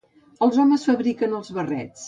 Els homes fabriquen els barrets.